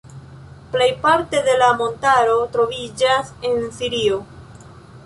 Plejparte de la montaro troviĝas en Sirio.